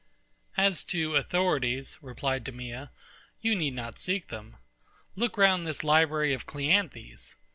As to authorities, replied DEMEA, you need not seek them. Look round this library of CLEANTHES.